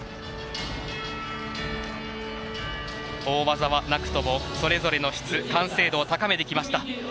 大技はなくともそれぞれの質、完成度を高めてきました。